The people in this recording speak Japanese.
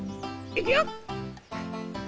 いくよ！